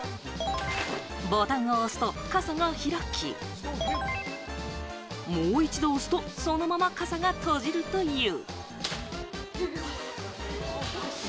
ボタンを押すと傘が開き、もう一度押すとそのまま傘が閉じるという。